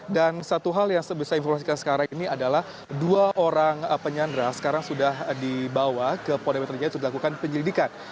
dan satu hal yang bisa saya informasikan sekarang ini adalah dua orang penyandra sekarang sudah dibawa ke pondok indah jakarta untuk melakukan penyelidikan